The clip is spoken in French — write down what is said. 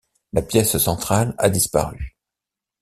La pièce centrale a disparu.